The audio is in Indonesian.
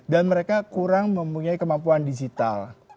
dan mereka kurang mempunyai kemampuan digital